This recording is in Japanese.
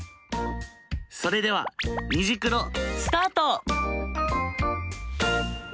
それでは「虹クロ」スタート！